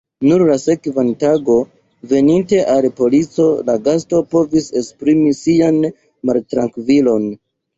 Nur la sekvan tagon, veninte al polico, la gasto povis esprimi sian maltrankvilon.